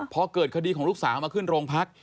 พอเกิดคดีของลูกสาวมาขึ้นโรงพัก